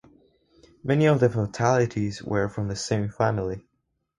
Many of the fatalities were from the same family.